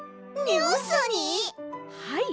はい。